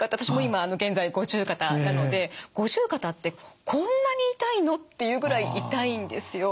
私も今現在五十肩なので五十肩ってこんなに痛いのっていうぐらい痛いんですよ。